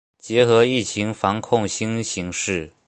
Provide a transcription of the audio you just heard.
结合疫情防控新形势